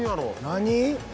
「何？」